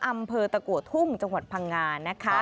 อำเภอตะกัวทุ่งจังหวัดพังงานะคะ